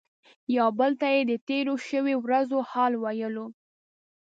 یو بل ته یې د تیرو شویو ورځو حال ویلو.